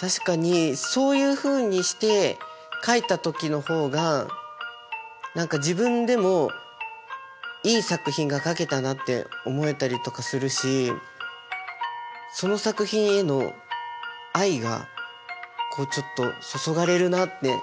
確かにそういうふうにして描いた時の方が自分でもいい作品が描けたなって思えたりとかするしその作品への愛がこうちょっと注がれるなって。